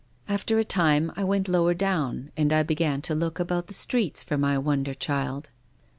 After a time I went lower down, and I began to look about the .streets for my wonder child."